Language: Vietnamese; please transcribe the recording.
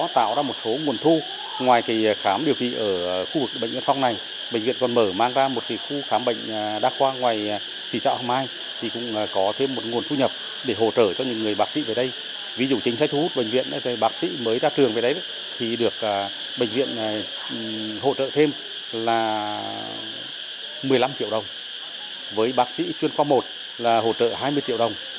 một mươi năm triệu đồng với bác sĩ chuyên khoa một là hỗ trợ hai mươi triệu đồng